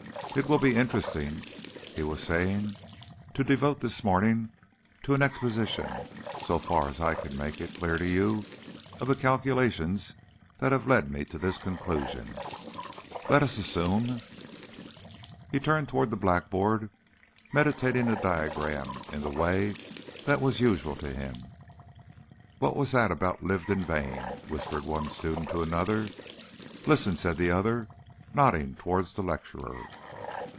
"It will be interesting," he was saying, "to devote this morning to an exposition, so far as I can make it clear to you, of the calculations that have led me to this conclusion. Let us assume " He turned towards the blackboard, meditating a diagram in the way that was usual to him. "What was that about 'lived in vain?'" whispered one student to another. "Listen," said the other, nodding towards the lecturer.